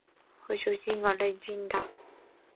异方差是违反这个假设的。